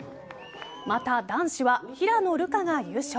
また、男子は平野流佳が優勝。